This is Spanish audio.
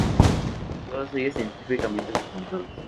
Todas ellas científicamente documentadas.